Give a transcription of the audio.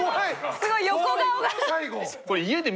すごい横顔が。